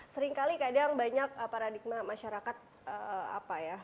sering kali kadang banyak paradigma masyarakat apa ya